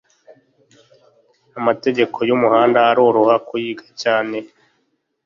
Amategeko y’umuhanda aroroha kuyiga cyane